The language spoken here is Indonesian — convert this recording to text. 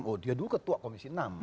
oh dia dulu ketua komisi enam